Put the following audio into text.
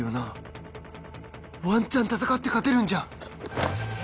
ワンチャン戦って勝てるんじゃ？